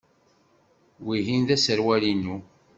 Wihin d aserwal-inu.